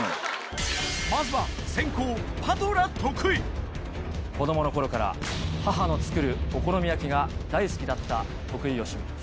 まずは子供の頃から母の作るお好み焼きが大好きだった徳井義実。